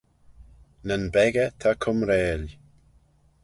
Nyn beccah ta cumrail.